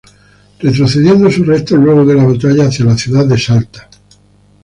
Retrocediendo sus restos luego de la batalla hacia la ciudad de Salta.